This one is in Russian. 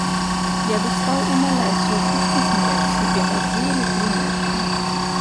Я бы стал умолять ее пустить меня к себе на две или три ночи.